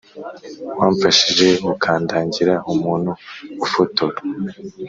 wamfashije ukandangira umuntu ufotora